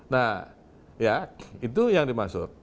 nah ya itu yang dimaksud